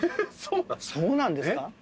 そうなんですか？